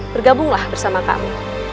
bergabunglah bersama kami